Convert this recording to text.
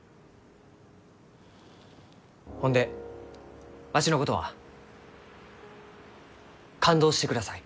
ほんでわしのことは勘当してください。